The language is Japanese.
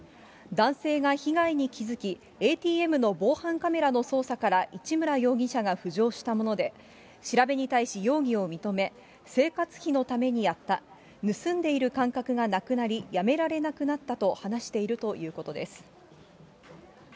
男性が被害に気付き、ＡＴＭの防犯カメラの捜査から市村容疑者が浮上したもので、調べに対し、容疑を認め、生活費のためにやった、盗んでいる感覚がなくなり、やめられなくなったと話しているということです。